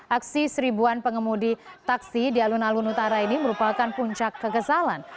aksi seribuan pengemudi taksi di alun alun utara ini merupakan puncak kekesalan